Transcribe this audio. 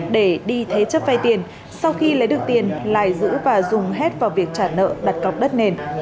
để đi thế chấp vay tiền sau khi lấy được tiền lài giữ và dùng hết vào việc trả nợ đặt cọc đất nền